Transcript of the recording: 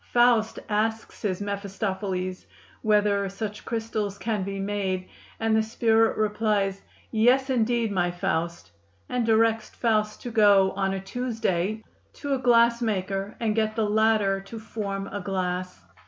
Faust asks his "Mephistophelis" whether such crystals can be made, and the spirit replies: "Yes, indeed, my Faust," and directs Faust to go, on a Tuesday, to a glass maker, and get the latter to form a glass.